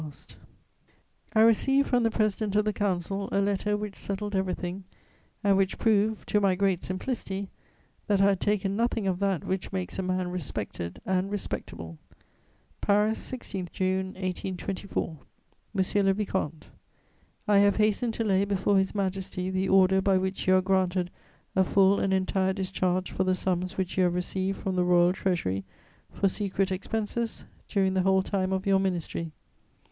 [Sidenote: Comments in the Débuts.] I received from the President of the Council a letter which settled everything and which proved, to my great simplicity, that I had taken nothing of that which makes a man respected and respectable: "PARIS, 16 June 1824. "MONSIEUR LE VICOMTE, "I have hastened to lay before His Majesty the Order by which you are granted a full and entire discharge for the sums which you have received from the Royal Treasury, for secret expenses, during the whole time of your ministry.